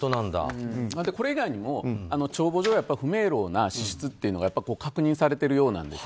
これ以外にも帳簿上、不明瞭な支出が確認されているようなんです。